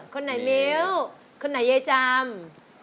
คนไหนมิ้วคนไหนยายจำ